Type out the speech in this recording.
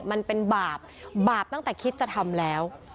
มันเป็นบาปบาปตั้งแต่คิดจะทำแล้ว